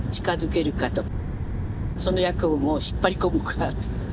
その役を引っ張り込むか。